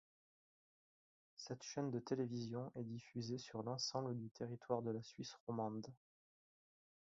Cette chaîne de télévision est diffusée sur l’ensemble du territoire de la Suisse romande.